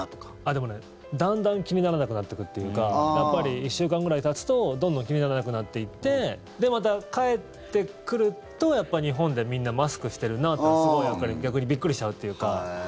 でも、だんだん気にならなくなってくるというかやっぱり１週間くらいたつとどんどん気にならなくなっていってで、また帰ってくるとやっぱり日本でみんなマスクしてるなとか逆にびっくりしちゃうというか。